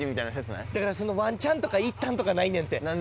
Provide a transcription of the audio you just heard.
だからそのワンチャンとかいったんとかないねんて。